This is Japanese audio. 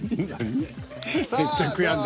めっちゃ悔やんでる。